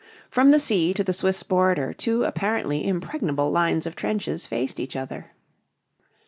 From the sea to the Swiss border two apparently impregnable lines of trenches faced each other.